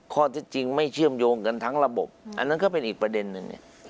ข้อเท็จจริงไม่เชื่อมโยงกันทั้งระบบอันนั้นก็เป็นอีกประเด็นนึงเนี่ย